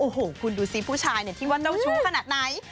โอ้โหคุณดูสิผู้ชายที่ว่าเจ้าชู้ขนาดไหน